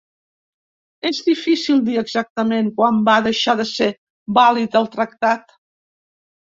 És difícil dir exactament quan va deixar de ser vàlid el tractat.